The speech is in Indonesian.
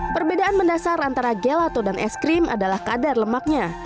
perbedaan mendasar antara gelato dan es krim adalah kadar lemaknya